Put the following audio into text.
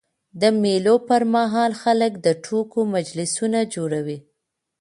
د مېلو پر مهال خلک د ټوکو مجلسونه جوړوي.